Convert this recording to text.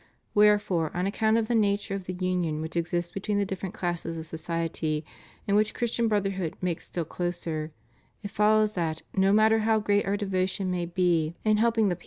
Where fore on account of the nature of the union which exists between the different classes of society and which Chris tian brotherhood makes still closer, it follows that no matter how great Our devotion may be in helping the 4S4 CHRISTIAN DEMOCRACY.